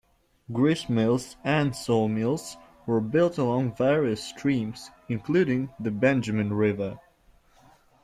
Gristmills and sawmills were built along various streams, including the Benjamin River.